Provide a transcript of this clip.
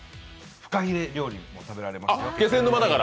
フカヒレ料理が食べられますから。